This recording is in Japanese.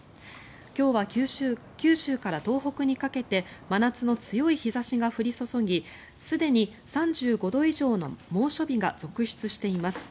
今日は九州から東北にかけて真夏の強い日差しが降り注ぎすでに３５度以上の猛暑日が続出しています。